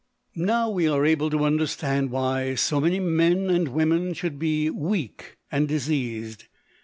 Now we are able to understand why so many men and women should be weak and diseased.